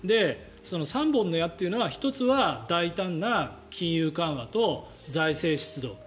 ３本の矢は１つは大胆な金融緩和と財政出動